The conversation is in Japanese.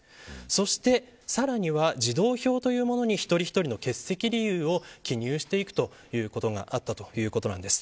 そしてさらには児童表というものに一人一人の欠席理由を記入していくということがあったということなんです。